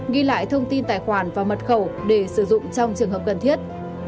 ghi lại thông tin tài khoản và mật khẩu để sử dụng trong trường hợp cần thiết